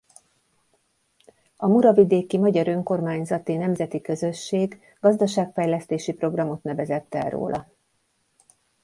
A Muravidéki Magyar Önkormányzati Nemzeti Közösség gazdaságfejlesztési programot nevezett el róla.